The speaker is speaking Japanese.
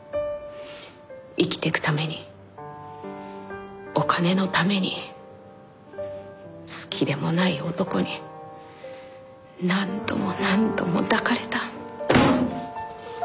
生きてくためにお金のために好きでもない男に何度も何度も抱かれた。